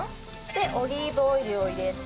オリーブオイルを入れて。